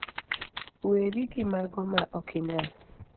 weri gimago ma okinyal.